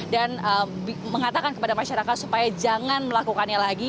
dan mengatakan kepada masyarakat supaya jangan melakukannya lagi